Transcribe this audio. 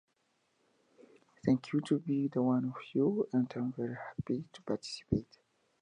Karbunara’s nephew Beqiri was also shot.